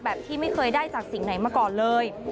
ที่ไม่เคยได้จากสิ่งไหนมาก่อนเลย